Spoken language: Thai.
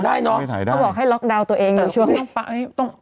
ได้เนอะไม่ถ่ายได้เขาบอกให้ล็อกดาวน์ตัวเองอยู่ช่วงตอนนี้ต้อง